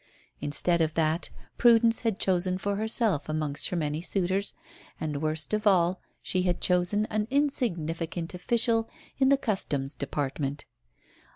Instead of that Prudence had chosen for herself amongst her many suitors, and worst of all she had chosen an insignificant official in the Customs department.